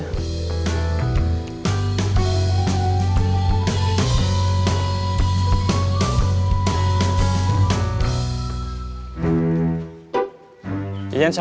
nanti tanyain aja langsung sama orangnya